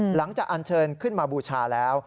หลังจากอัญเชิญขึ้นมาบูชาแล้ว